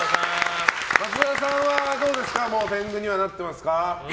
松田さんはもう天狗にはなってますか？